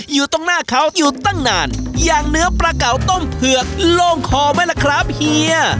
อยู่ตรงหน้าเขาอยู่ตั้งนานอย่างเนื้อปลาเก่าต้มเผือกโล่งคอไหมล่ะครับเฮีย